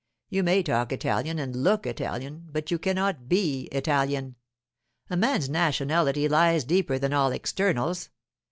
You may talk Italian and look Italian, but you cannot be Italian. A man's nationality lies deeper than all externals.